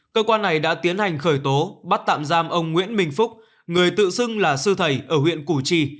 cơ quan này đã tiến hành khởi tố bắt tạm giam ông nguyễn minh phúc người tự xưng là sư thầy ở huyện củ chi